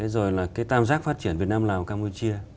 rồi tam giác phát triển việt nam lào campuchia